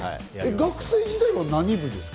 学生時代は何部ですか？